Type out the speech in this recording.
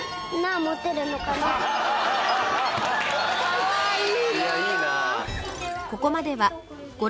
かわいい！